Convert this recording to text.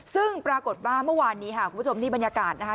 ซึ่งปรากฏว่าเมื่อวานนี้ค่ะคุณผู้ชมนี่บรรยากาศนะคะ